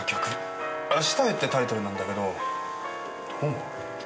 『明日へ』ってタイトルなんだけどどう思う？